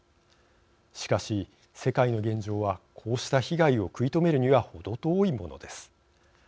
しかし、世界の現状はこうした被害を食い止めるには程遠いものです。